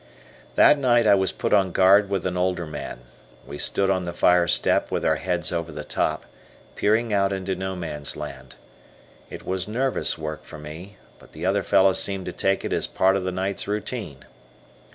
That night I was put on guard with an older man. We stood on the fire step with our heads over the top, peering out into No Man's Land. It was nervous work for me, but the other fellow seemed to take it as part of the night's routine.